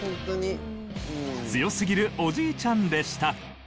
強すぎるおじいちゃんでした。